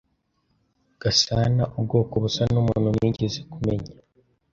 Gasana ubwoko busa numuntu nigeze kumenya.